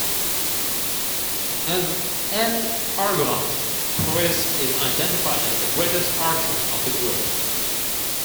As an Argonaut, Poeas is identified as the greatest archer of the group.